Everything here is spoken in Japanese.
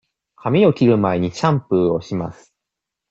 髪を切る前にシャンプーをします。